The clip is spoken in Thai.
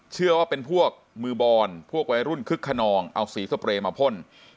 เชื่อว่าเป็นพวกมือบอลพวกวัยรุ่นคึกขนองเอาสีสเปรย์มาพ่น